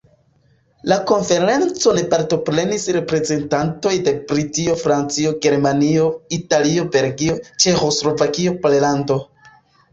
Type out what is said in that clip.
La konferencon partoprenis reprezentantoj de Britio, Francio, Germanio, Italio, Belgio, Ĉeĥoslovakio, Pollando.